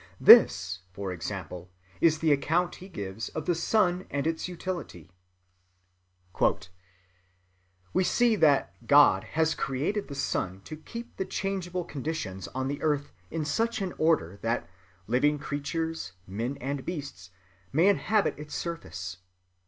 This, for example, is the account he gives of the sun and its utility:— "We see that God has created the sun to keep the changeable conditions on the earth in such an order that living creatures, men and beasts, may inhabit its surface.